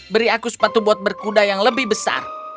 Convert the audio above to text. beri aku sepatu buat berkuda yang lebih besar